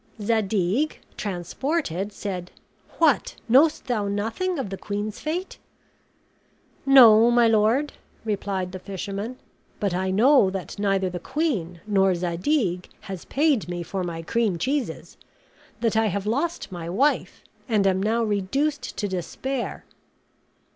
Zadig, transported, said, "What, knowest thou nothing of the queen's fate?" "No, my lord," replied the fisherman; "but I know that neither the queen nor Zadig has paid me for my cream cheeses; that I have lost my wife, and am now reduced to despair."